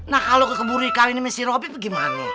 nah kalau kekeburi kali ini si robby gimana